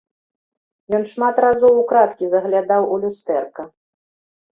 Ён шмат разоў украдкі заглядаў у люстэрка.